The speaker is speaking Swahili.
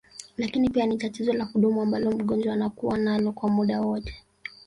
Lakini pia ni tatizo la kudumu ambalo mgonjwa anakua nalo kwa muda wote